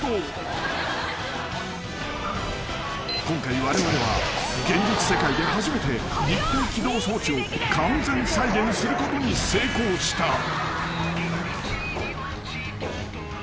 ［今回われわれは現実世界で初めて立体機動装置を完全再現することに成功した］